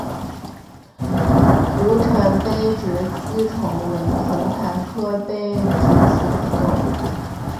吴城杯殖吸虫为同盘科杯殖属的动物。